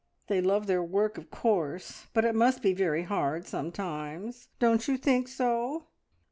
They love their work, of course, but it must be very hard sometimes. Don't you think so?"